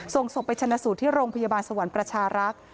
ส่งศพไปชนะสูตรที่โรงพยาบาลสวรรค์ประชารักษ์